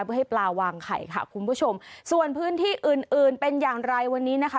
เพื่อให้ปลาวางไข่ค่ะคุณผู้ชมส่วนพื้นที่อื่นอื่นเป็นอย่างไรวันนี้นะคะ